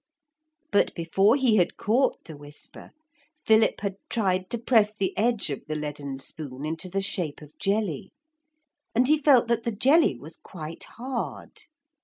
But before he had caught the whisper, Philip had tried to press the edge of the leaden spoon into the shape of jelly. And he felt that the jelly was quite hard.